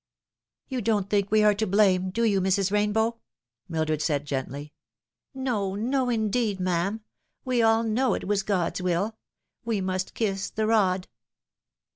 " You don't think we are to blame, do you, Mrs. Rainbow ?" Mildred said gently. " No, no, indeed, ma'am. We all know it was God's will. We must kiss the rod."